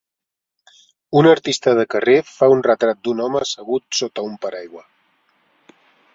Un artista de carrer fa un retrat d'un home assegut sota un paraigua.